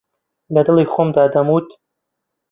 لەدڵی خۆمدا دەموت